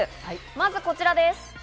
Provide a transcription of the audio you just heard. まずこちらです。